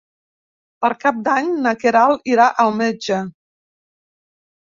Per Cap d'Any na Queralt irà al metge.